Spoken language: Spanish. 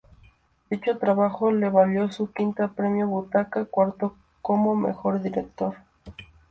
Dicho trabajo le valió su quinto premio Butaca, cuarto como mejor director.